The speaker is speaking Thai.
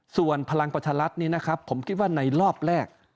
ส่วนพลังปัชฌรัฐผมคิดว่าในรอบแรก